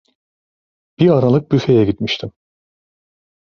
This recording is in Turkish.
Bir aralık büfeye gitmiştim.